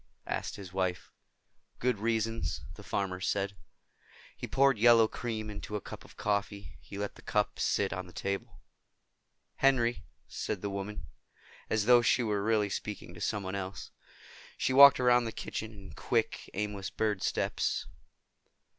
asked his wife. "Good reasons," the farmer said. He poured yellow cream into a cup of coffee. He let the cup sit on the table. "Henry?" said the woman, as though she were really speaking to someone else. She walked around the kitchen in quick aimless bird steps.